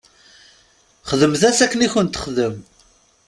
Xdem-as akken i k-texdem.